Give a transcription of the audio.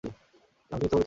কি আমি মিথ্যা বলছি?